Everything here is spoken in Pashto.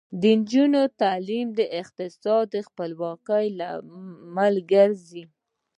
د نجونو تعلیم د اقتصادي خپلواکۍ لامل ګرځي.